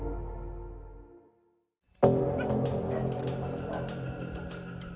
harimau yang diperniagakan di belakang kita ini mulai menyusut